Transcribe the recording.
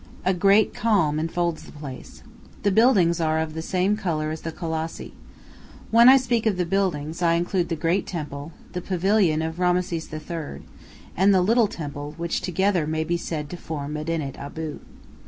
A great calm enfolds the place. The buildings are of the same color as the Colossi. When I speak of the buildings, I include the great temple, the pavilion of Rameses III., and the little temple, which together may be said to form Medinet Abu.